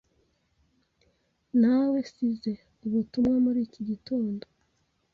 Nawesize ubutumwa muri iki gitondo.